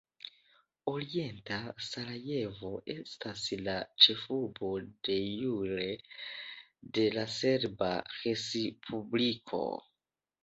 Orienta Sarajevo estas la ĉefurbo "de jure" de la Serba Respubliko.